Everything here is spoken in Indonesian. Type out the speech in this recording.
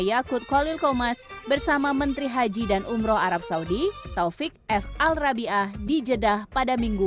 yakut qalil qomas bersama menteri haji dan umroh arab saudi taufiq f al rabiah dijadah pada minggu